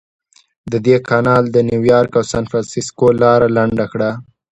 دې کانال د نیویارک او سانفرانسیسکو لاره لنډه کړه.